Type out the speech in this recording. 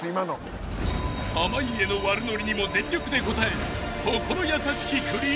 ［濱家の悪ノリにも全力で応える］